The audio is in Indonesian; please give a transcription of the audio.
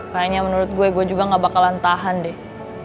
kayaknya menurut gue gue juga gak bakalan tahan deh